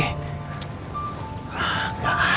nggak ada lagi